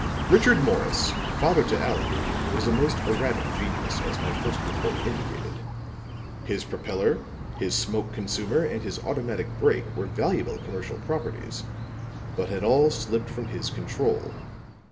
"'Richard Morris, father to Allan, was a most erratic genius, as my first report indicated. His propeller, his smoke consumer, and his automatic brake were valuable commercial properties, but had all slipped from his control.